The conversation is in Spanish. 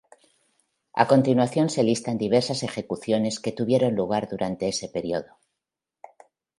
A continuación se listan diversas ejecuciones que tuvieron lugar durante ese periodo.